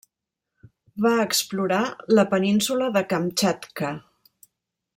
Va explorar la península de Kamtxatka.